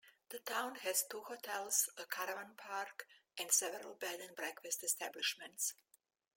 The town has two hotels, a caravan park, and several bed and breakfast establishments.